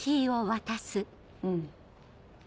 うん。